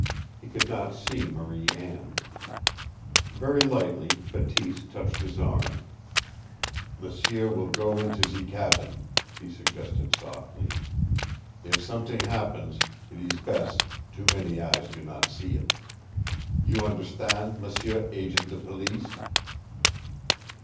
He could not see Marie Anne. Very lightly Bateese touched his arm. "M'sieu will go into ze cabin," he suggested softly. "If somet'ing happens, it ees bes' too many eyes do not see it. You understan', m'sieu agent de police?"